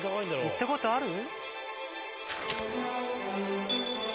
行ったことある？